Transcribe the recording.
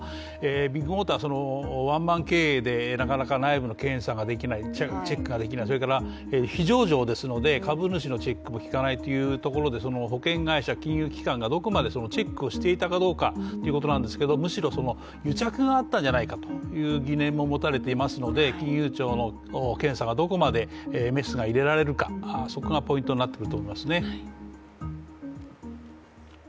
ビッグモーターはワンマン経営でなかなか内部の検査、チェックができない、それから非上場ですので株主のチェックもきかないところで、保険会社、金融機関がどこまでチェックしていたかどうかということなんですけど、むしろ癒着があったんじゃないかっていう疑念も持たれていますので、金融庁の検査がどこまでメスが入れられるかそこがポイントになってくると思いますね。